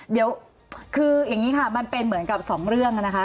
เดี๋ยวคืออย่างนี้ค่ะมันเป็นเหมือนกับสองเรื่องนะคะ